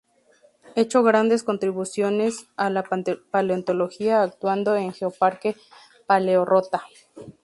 Hecho grandes contribuciones a la paleontología actuando en geoparque Paleorrota.